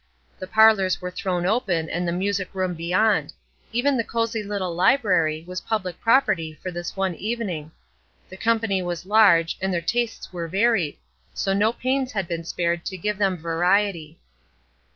The parlors were thrown open and the music room beyond; even the cosy little library was public property for this one evening. The company was large, and their tastes were varied; so no pains had been spared to give them variety.